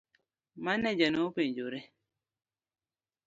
Maneja nopenjore.